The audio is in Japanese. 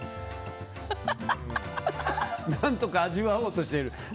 何とか味わおうとしてる。